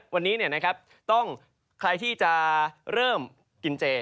วันนี้ต้องใครที่จะเริ่มกินเจ